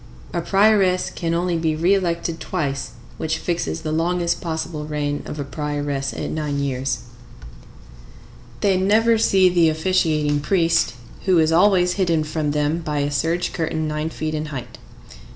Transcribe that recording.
A prioress can only be re elected twice, which fixes the longest possible reign of a prioress at nine years. They never see the officiating priest, who is always hidden from them by a serge curtain nine feet in height.